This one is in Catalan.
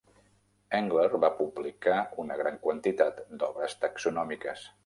Engler va publicar una gran quantitat d'obres taxonòmiques.